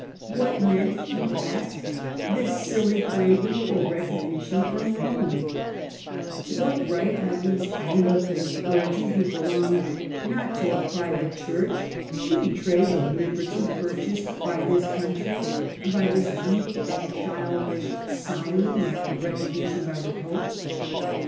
What meant, he asked, this silly crav ing for recognition from Rome } What right have these Anglican clergy, who belonged not to a pri vate church, to betray the liberty purchased by this country by this weak and childish sighing after rec ognition by the Pope?